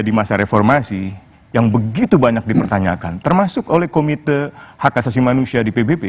di masa reformasi yang begitu banyak dipertanyakan termasuk oleh komite hak asasi manusia di pbb